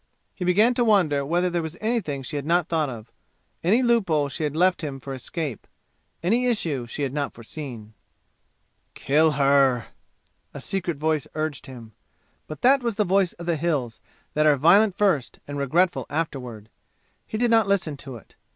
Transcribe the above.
He began to wonder whether there was anything she had not thought of any loophole she had left him for escape any issue she had not foreseen. "Kill her!" a secret voice urged him. But that was the voice of the "Hills," that are violent first and regretful afterward. He did not listen to it.